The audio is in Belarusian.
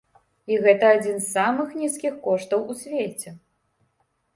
І гэта адзін з самых нізкіх коштаў у свеце.